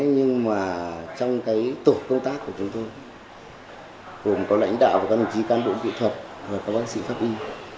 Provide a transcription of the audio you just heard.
nhưng mà trong cái tổ công tác của chúng tôi cùng có lãnh đạo và các vị trí can bộ kỹ thuật và các bác sĩ pháp y